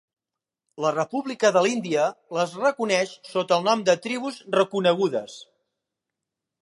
La República de l'Índia les reconeix sota el nom de tribus reconegudes.